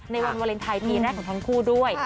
ในวันวาเลนไทยปีแรกของทั้งคู่ด้วย